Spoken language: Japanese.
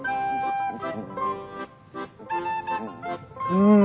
うん！